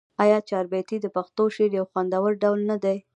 آیا چهاربیتې د پښتو شعر یو خوندور ډول نه دی؟